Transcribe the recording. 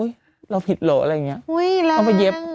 อุ๊ยเราผิดหรออะไรอย่างนี้